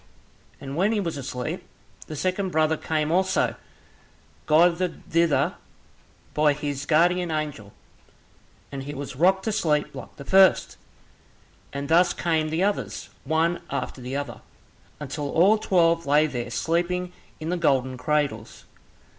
And when he was asleep, the second brother came also, guided thither by his guardian angel, and he was rocked to sleep like the first, and thus came the others, one after the other, until all twelve lay there sleeping in the golden cradles.